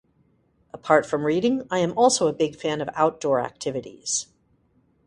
Apart from reading, I am also a big fan of outdoor activities.